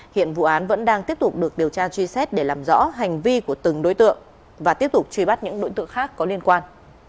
hiện vụ án vẫn đang tiếp tục được điều tra truy xét để làm rõ hành vi của từng đối tượng và tiếp tục truy bắt những đối tượng khác có liên quan